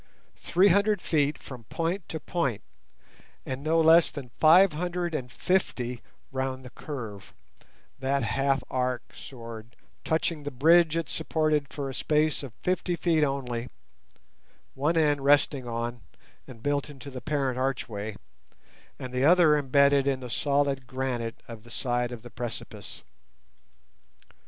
Three hundred feet from point to point, and no less than five hundred and fifty round the curve, that half arc soared touching the bridge it supported for a space of fifty feet only, one end resting on and built into the parent archway, and the other embedded in the solid granite of the side of the precipice.